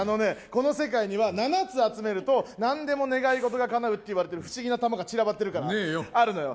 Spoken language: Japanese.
この世界には７つ集めると何でも願いがかなうと言われている不思議な玉が散らばってるから、あるのよ。